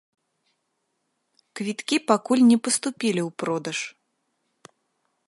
Квіткі пакуль не паступілі ў продаж.